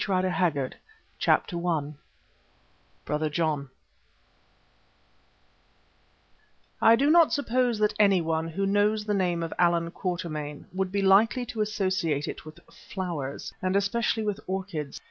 Rider Haggard First Published 1915. CHAPTER I BROTHER JOHN I do not suppose that anyone who knows the name of Allan Quatermain would be likely to associate it with flowers, and especially with orchids.